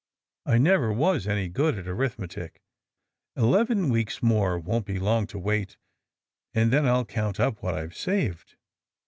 "I never was any good at arithmetic. Eleven weeks more won't be long to wait, and then I'll count up what I've saved."